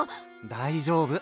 大丈夫。